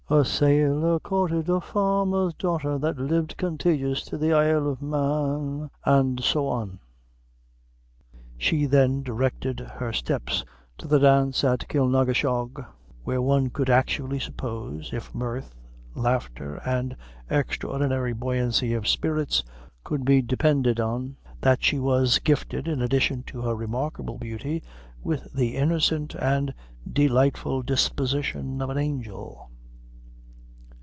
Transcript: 'A sailor courted a farmer's daughter That lived contageous to the isle of Man,'" &c. She then directed her steps to the dance in Kilnahushogue, where one would actually suppose, if mirth, laughter, and extraordinary buoyancy of spirits could be depended on, that she was gifted, in addition to her remarkable beauty, with the innocent and delightful disposition of an angel.